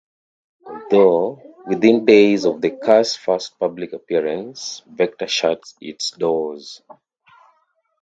Although, within days of the car's first public appearance, Vector shut its doors.